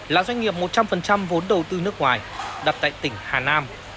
là doanh nghiệp một trăm linh vốn đầu tư nước ngoài đặt tại tỉnh hà nam